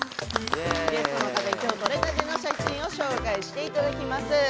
ゲストの方に撮れたての写真を紹介していただきます。